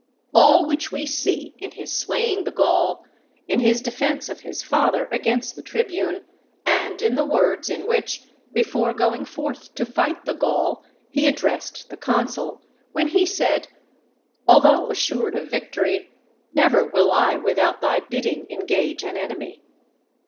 All which we see in his slaying the Gaul, in his defence of his father against the tribune, and in the words in which, before going forth to fight the Gaul, he addressed the consul, when he said, "_Although assured of victory, never will I without thy bidding engage an enemy.